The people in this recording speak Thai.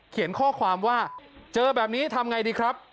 เขียนข้อความว่าเจอแบบนี้ทำไงดีครับ